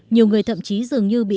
nhiều người thậm chí dường như bị ép